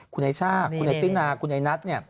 คุณไอชากคุณไอติ๊กนาคุณไอนัท